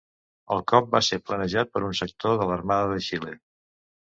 El cop va ser planejat per un sector de l'Armada de Xile.